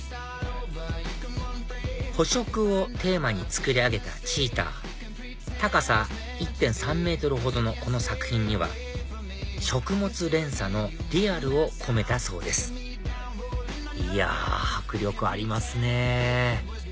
「捕食」をテーマに作り上げたチーター高さ１．３ｍほどのこの作品には食物連鎖のリアルを込めたそうですいや迫力ありますね